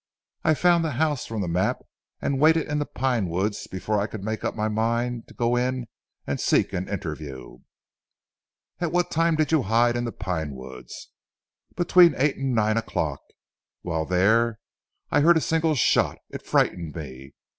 I found the house from the map and waited in the pine woods before I could make up my mind to go in and seek for an interview." "At what time did you hide in the Pine Woods?" "Between eight and nine o'clock. While there I heard a single shot. It frightened me.